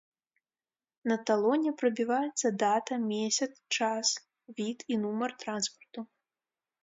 На талоне прабіваецца дата, месяц, час, від і нумар транспарту.